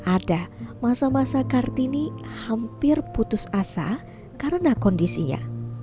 ada masa masa kartini hampir putus asa karena kondisinya